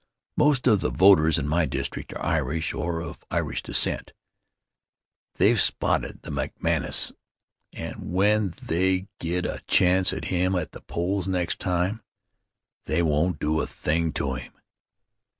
Most of the voters in my district are Irish or of Irish descent; they've spotted "The" McManus, and when they get a chance at him at the polls next time, they won't do a thing to him.